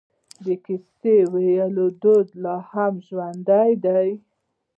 د کیسه ویلو دود لا هم ژوندی دی.